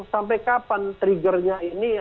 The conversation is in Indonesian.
sampai kapan triggernya ini